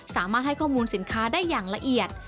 สามารถให้ข้อมูลสินค้าได้อย่างละเอียด